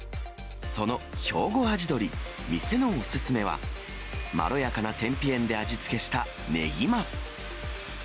そのひょうご味どり、店のお勧めは、まろやかな天日塩で味付けしたねぎま。